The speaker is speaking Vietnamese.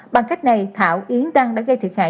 bằng cách này thảo yến đăng đã gây thiệt hại